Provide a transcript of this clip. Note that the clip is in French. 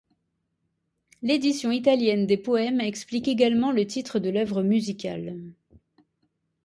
L’édition italienne des poèmes explique également le titre de l’œuvre musicale.